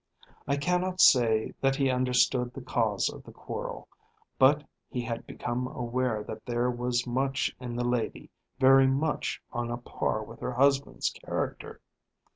I cannot say that he understood the cause of the quarrel, but he had become aware that there was much in the lady very much on a par with her husband's character.